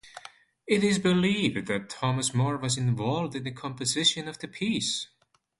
It is believed that Thomas More was involved in the composition of the piece.